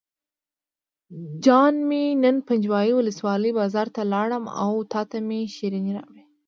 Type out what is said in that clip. جان مې نن پنجوایي ولسوالۍ بازار ته لاړم او تاته مې شیرینۍ راوړې.